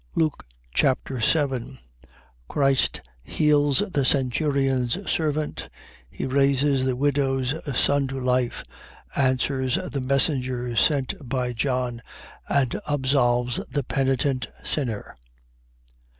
Luke Chapter 7 Christ heals the centurion's servant. He raises the widow's son to life, answers the messengers sent by John and absolves the penitent sinner.